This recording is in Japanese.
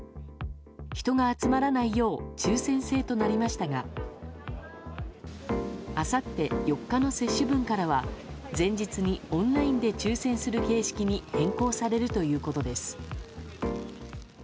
人が集まらないよう抽選制となりましたがあさって４日の接種分からは前日にオンラインで抽選する形式に変更されるということです。